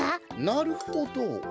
なるほど。